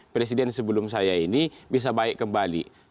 presiden sebelum saya ini bisa baik kembali